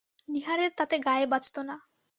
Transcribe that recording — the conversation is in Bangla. নীহারের তাতে গায়ে বাজত না।